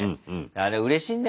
あれうれしいんだよね。